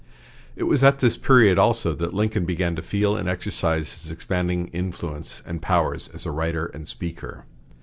It was at this period also that Lincoln began to feel and exercise his expanding influence and powers as a writer and speaker.